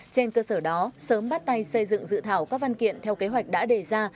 trên cơ sở đó sớm bắt tay xây dựng dự thảo các văn kiện theo kế hoạch đã đề ra